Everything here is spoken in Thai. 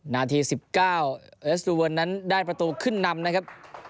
นาที๑๙เอสตูเวิร์นนั้นได้ประตูขึ้นนำนะครับ